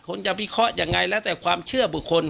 จะวิเคราะห์ยังไงแล้วแต่ความเชื่อบุคคล